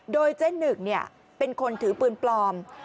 โดยเจ๊หนึ่งเป็นคนถือปืนปลอม